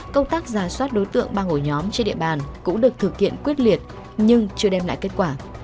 công tác giả soát đối tượng ba ổ nhóm trên địa bàn cũng được thực hiện quyết liệt nhưng chưa đem lại kết quả